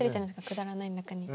「くだらないの中に」。